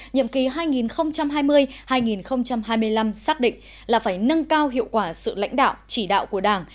nhiệm kỳ hai nghìn hai mươi hai nghìn hai mươi năm xác định là phải nâng cao hiệu quả sự lãnh đạo chỉ đạo của đảng